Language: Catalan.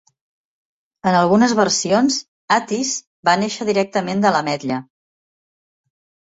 En algunes versions, Attis va néixer directament de l'ametlla.